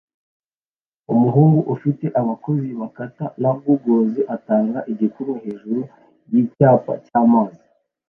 Umuhungu ufite abakozi bakata na gogles atanga igikumwe hejuru yicyapa cyamazi